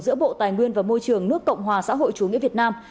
giữa bộ tài nguyên và môi trường nước cộng hòa xã hội chủ nghĩa việt nam